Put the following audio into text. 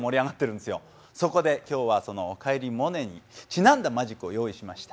そこで今日は「おかえりモネ」にちなんだマジックを用意しました。